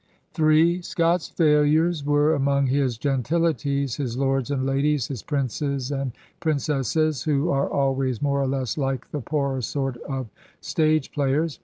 " m Scott's failures were among his gentilities, his lords and ladies, his princes and princesses, who are always more or less like the poorer sort of stage players.